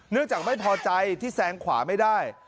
จากไม่พอใจที่แซงขวาไม่ได้